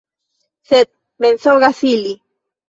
Sed mensogas ili!